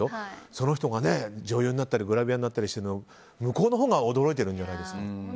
その人が、女優になったりグラビアになったりしてるの向こうのほうが驚いているんじゃないんですか。